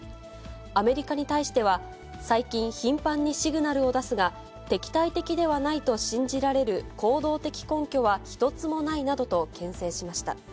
アメリカに対しては、最近、頻繁にシグナルを出すが、敵対的ではないと信じられる行動的根拠は一つもないなどと、けん制しました。